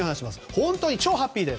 本当に超ハッピーだよ。